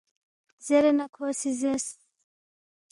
“ زیرے نہ کھو سی زیرس،